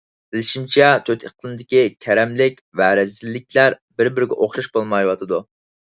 بىلىشىمچە، تۆت ئىقلىمدىكى كەرەملىك ۋە رەزىللىكلەر بىر - بىرىگە ئوخشاش بولمايۋاتىدۇ.